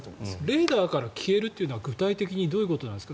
レーダーから消えるということは具体的にどういうことですか？